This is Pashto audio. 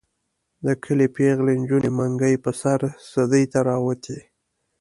د کلي پېغلې نجونې منګي په سر سدې ته راوتې.